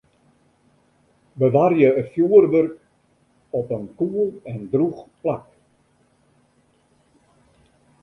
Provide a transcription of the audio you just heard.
Bewarje it fjurwurk op in koel en drûch plak.